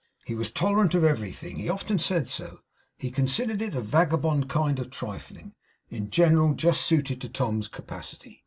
He was tolerant of everything; he often said so. He considered it a vagabond kind of trifling, in general, just suited to Tom's capacity.